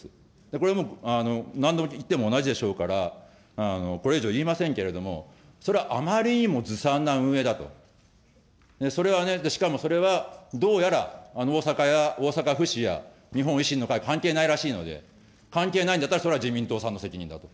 これ、もう何度言っても同じでしょうから、これ以上言いませんけれども、そりゃあまりにもずさんな運営だと。それはね、しかも、それはどうやら、大阪や、大阪府市や日本維新の会関係ないらしいので、関係ないんだったら、それは自民党さんの責任だと。